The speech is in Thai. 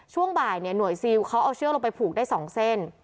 ช่วงบ่ายหน่วยซิลเขาเอาเชือกลงไปผูกได้๒เส้น